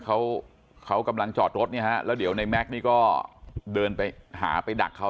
เขาเขากำลังจอดรถเนี่ยฮะแล้วเดี๋ยวในแม็กซ์นี่ก็เดินไปหาไปดักเขา